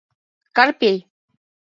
КАРПЕЙ